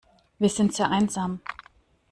Wir sind sehr einsam.